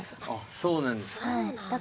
そうなんですか。